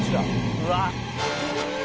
「うわっ」